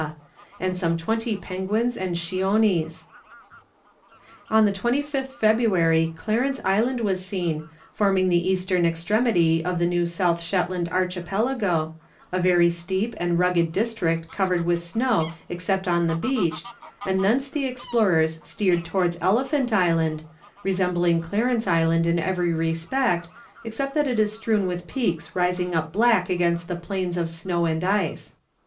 and some twenty penguins and chionis. On the 25th February Clarence Island was seen, forming the eastern extremity of the New South Shetland Archipelago, a very steep and rugged district covered with snow except on the beach, and thence the explorers steered towards Elephant Island, resembling Clarence Island in every respect, except that it is strewn with peaks rising up black against the plains of snow and ice.